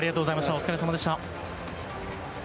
お疲れさまでした。